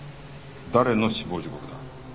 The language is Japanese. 誰の死亡時刻だ？